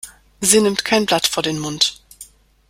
Sie nimmt kein Blatt vor den Mund.